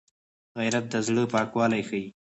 غیرت د زړه پاکوالی ښيي